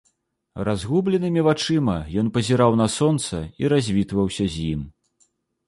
Разгубленымі вачыма ён пазіраў на сонца і развітваўся з ім.